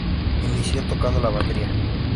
Inició tocando la batería.